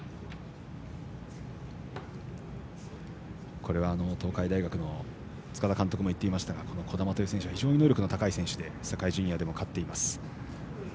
これは東海大学の塚田監督も言っていましたが児玉という選手は非常に能力が高い選手で世界ジュニアでも勝っています。